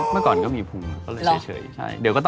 เมื่อก่อนก็มีภูมิ